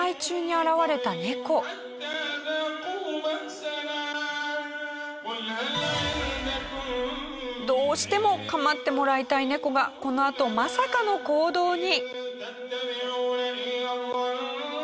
続いてもどうしても構ってもらいたいネコがこのあとまさかの行動に。